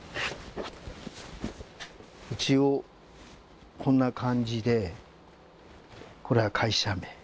一応こんな感じでこれは会社名。